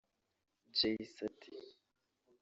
Jay C ati